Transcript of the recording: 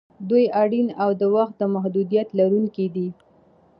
دوی اړین او د وخت محدودیت لرونکي دي.